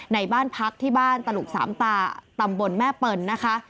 ในบ้านพักที่บ้านตลุกสามตาตำบลแม่เปิลนะคะ